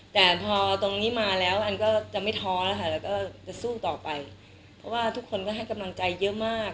แต่พอตรงนี้มาแล้วอันก็จะไม่ท้อแล้วค่ะแล้วก็จะสู้ต่อไปเพราะว่าทุกคนก็ให้กำลังใจเยอะมาก